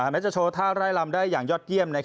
แม้จะโชว์ท่าไร่ลำได้อย่างยอดเยี่ยม